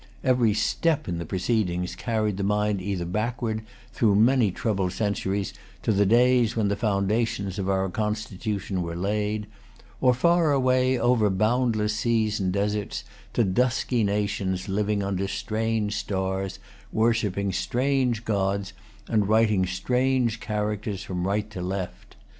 Every step in the proceedings carried the mind either backward, through many troubled centuries, to the days when the foundations of our Constitution were laid, or far away, over boundless seas and deserts, to dusky nations living under strange stars, worshipping strange gods, and writing strange characters from right to left.